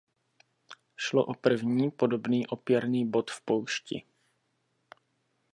Šlo o první podobný opěrný bod v poušti.